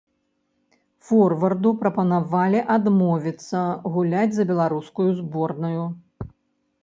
Форварду прапанавалі адмовіцца гуляць за беларускую зборную.